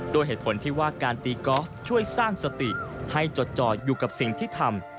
ด้วยเหตุผลที่ว่าการตีกอล์ฟช่วยสร้างสติให้จดจ่ออยู่กับสิ่งที่ทำ